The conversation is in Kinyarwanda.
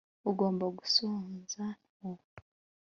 ugomba gusonza ubu